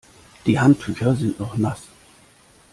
Die Handtücher sind noch nass.